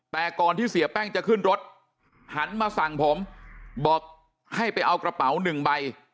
แต่ก่อนที่เสียแป้งจะขึ้นรถหันมาสั่งผมบอกให้ไปเอากระเป๋าหนึ่งใบ